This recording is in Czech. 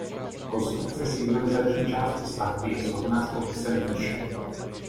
Konstrukce signalizační části stavby je shodná s popisem výše.